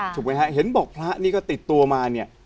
ถูกไหมฮะเห็นบอกพระนี่ก็ติดตัวมาเนี่ย